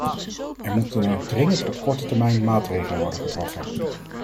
Er moeten dan ook dringend op korte termijn maatregelen worden getroffen.